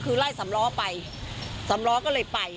คือไล่สำล้อไปสำล้อก็เลยไป